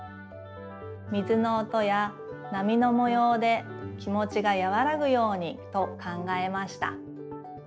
水の音やなみのもようで気もちがやわらぐようにと考えました。